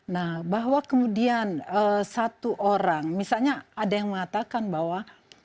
nah bahwa kemudian satu orang misalnya ada yang mengatakan bahwa